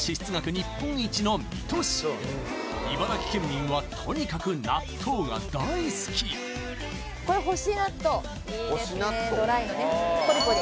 日本一の水戸市茨城県民はとにかく納豆が大好きいいですね